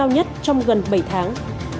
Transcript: nhất trong gần bảy tháng